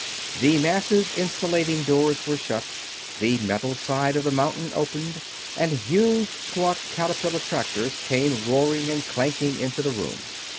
The massive insulating doors were shut, the metal side of the mountain opened, and huge, squat caterpillar tractors came roaring and clanking into the room.